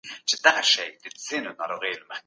ښاري خدمات باید یوازي د ښار په مرکز پوري محدود نه وي.